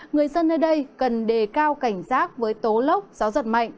người dân nơi đây cần đề cao cảnh giác với tố lốc gió giật mạnh